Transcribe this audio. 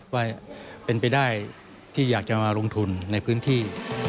ว่าเป็นไปได้ที่อยากจะมาลงทุนในพื้นที่